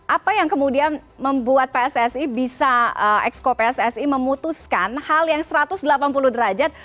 apa yang kemudian membuat pssi bisa exco pssi memutuskan hal yang satu ratus delapan puluh derajat